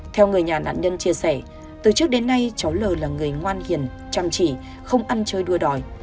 theo người nhà nạn nhân chia sẻ từ trước đến nay cháu l là người ngoan hiền chăm chỉ không ăn chơi đua đòi